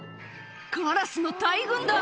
カラスの大群だ。